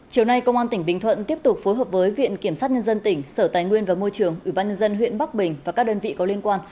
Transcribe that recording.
chiều nay công an tỉnh bình thuận tiếp tục phối hợp với viện kiểm sát nhân dân tỉnh sở tài nguyên và môi trường ủy ban nhân dân huyện bắc bình và các đơn vị có liên quan